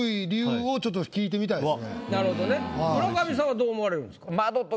村上さんはどう思われるんですか？